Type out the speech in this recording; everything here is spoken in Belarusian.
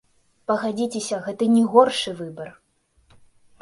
Пагадзіцеся, гэта не горшы выбар!